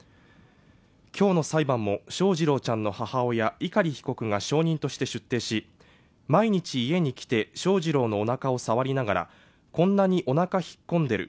今日の裁判も翔士郎ちゃんの母親碇被告が証人として出廷し毎日家に来て翔士郎のお腹を触りながらこんなにお腹引っ込んでる